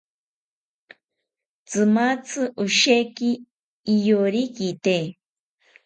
Tzimatzi osheki iyorikite